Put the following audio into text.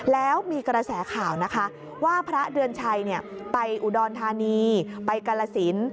แล้วมีกระแสข่าวนะคะว่าพระเดือนชัยไปอุดรธานีไปกาลสิน